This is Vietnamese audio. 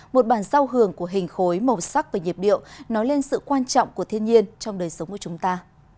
một bản giao hưởng của hình khối màu sắc và nhiệt điệu nói lên sự quan trọng của thiên nhiên trong đời sống của chúng ta